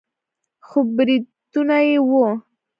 خو برېتونه يې وو.